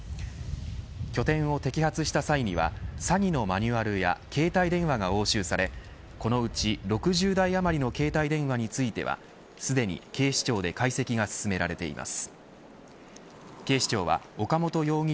拠点を摘発した際には詐欺のマニュアルや携帯電話が押収され、このうち６０台余りの携帯電話についてはすでに警視庁で解析が進められています。